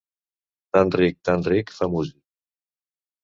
Tan ric, tan ric, fa músic.